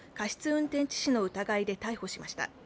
運転致死の疑いで逮捕しました。